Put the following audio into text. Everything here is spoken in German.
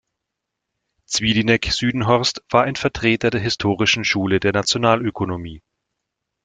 Zwiedineck-Südenhorst war ein Vertreter der Historischen Schule der Nationalökonomie.